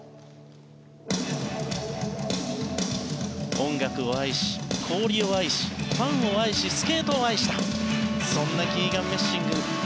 音楽を愛し、氷を愛しファンを愛しスケートを愛したそんなキーガン・メッシング。